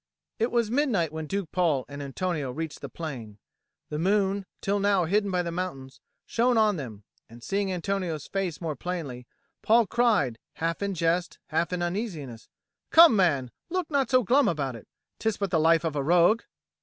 It was midnight when Duke Paul and Antonio reached the plain: the moon, till now hidden by the mountains, shone on them, and, seeing Antonio's face more plainly, Paul cried, half in jest, half in uneasiness, "Come, man, look not so glum about it! 'Tis but the life of a rogue."